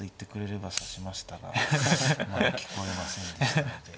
聞こえませんでしたので。